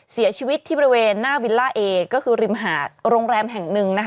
เสียชีวิตที่บริเวณหน้าวิลล่าเอก็คือริมหาดโรงแรมแห่งหนึ่งนะคะ